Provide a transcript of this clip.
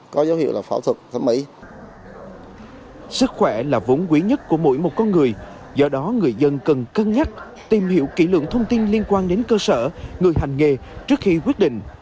cần cân nhắc tìm hiểu kỹ lượng thông tin liên quan đến cơ sở người hành nghề trước khi quyết định